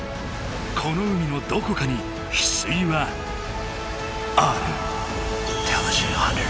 この海のどこかにヒスイはある。